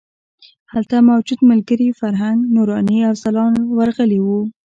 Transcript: هلته موجود ملګري فرهنګ، نوراني او ځلاند ورغلي وو.